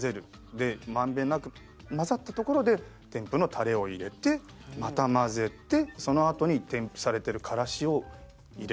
で満遍なく混ざったところで添付のタレを入れてまた混ぜてそのあとに添付されてるカラシを入れる。